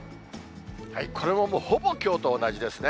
これももうほぼきょうと同じですね。